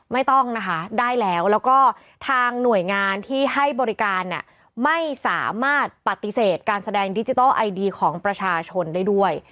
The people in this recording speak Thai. ไม่ต้องนะคะได้แล้วแล้วก็ทางหน่วยงานที่ให้บริการไม่สามารถปฏิเสธการแสดงดิจิทัลไอดีของประชาชนได้ด้วย